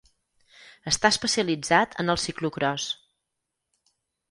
Està especialitzat en el ciclocròs.